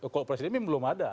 kalau presiden ini belum ada